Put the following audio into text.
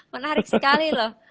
menarik sekali loh